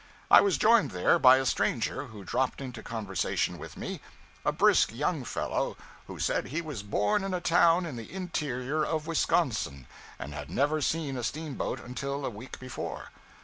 I was joined there by a stranger, who dropped into conversation with me a brisk young fellow, who said he was born in a town in the interior of Wisconsin, and had never seen a steamboat until a week before.